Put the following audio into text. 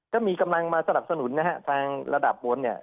ก็มีกำลังมาสนับสนุนนะฮะทางระดับบนเนี่ย